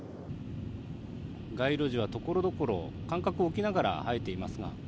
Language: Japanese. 街路樹はところどころ間隔を置きながら生えていますが。